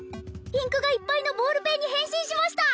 インクがいっぱいのボールペンに変身しました！